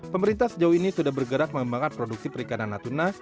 pemerintah sejauh ini sudah bergerak mengembangkan produksi perikanan natuna